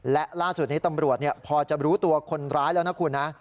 และล่าสุดนี้ตำรวจพอจะรู้ตัวคนร้ายแล้วนะคุณนะ